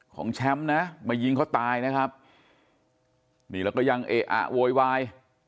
ของแชมป์นะมายิงเขาตายนะครับนี่แล้วก็ยังเอะอะโวยวาย